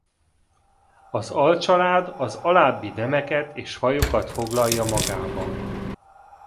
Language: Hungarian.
Az alcsalád az alábbi nemeket és fajokat foglalja magában.